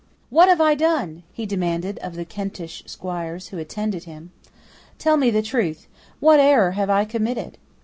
"What have I done?" he demanded of the Kentish squires who attended him. "Tell me the truth. What error have I committed?"